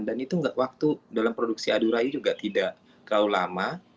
dan itu waktu dalam produksi ado rai juga tidak terlalu lama